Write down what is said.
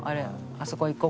「あそこ行こう」